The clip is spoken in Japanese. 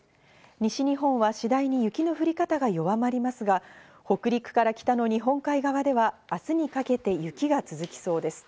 西日本は次第に雪の降り方が弱まりますが、北陸から北の日本海側では、明日にかけて雪が続きそうです。